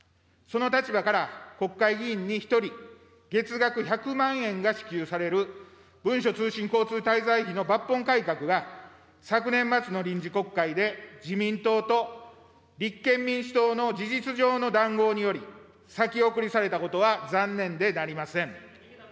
その立場から国会議員に１人月額１００万円が支給される、文書通信交通滞在費の抜本改革が、昨年末の臨時国会で自民党と立憲民主党の事実上の談合により、先送りされたことは残念でなりません。